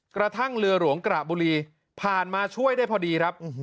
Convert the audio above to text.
กระทั่งเรือหลวงกระบุรีผ่านมาช่วยได้พอดีครับ